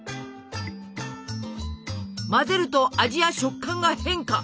混ぜると味や食感が変化！